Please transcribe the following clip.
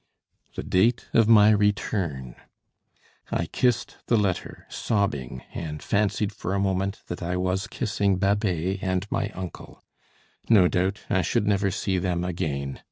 The date of my return! I kissed the letter, sobbing, and fancied for a moment that I was kissing Babet and my uncle. No doubt I should never see them again.